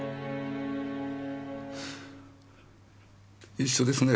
一緒ですね